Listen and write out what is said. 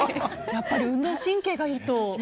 やっぱり運動神経がいいと。